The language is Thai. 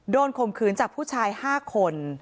ข่มขืนจากผู้ชาย๕คน